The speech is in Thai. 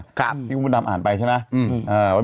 ที่คุณแพนทำอ่านไปใช่มั้ย